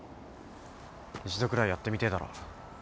一度くらいやってみてえだろ。